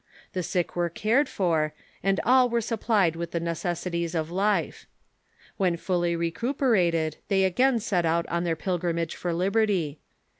The sick were cared for, and all were supplied with the necessities of life. When fully recuper ated, they again set out on their pilgrimage for liberty.